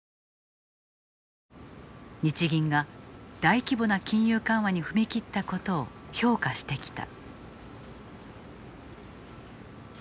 日銀が大規模な金融緩和に踏み切ったことを評価してきた。